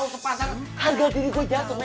saya ingin buru buru malam